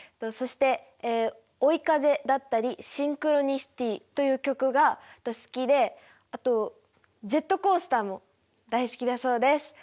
そして「追い風」だったり「シンクロニシティ」という曲が好きであとジェットコースターも大好きだそうです。